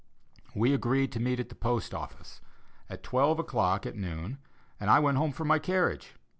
We agreed to meet at the post office, at twelve o'clock at noon, and I went home for my carriage.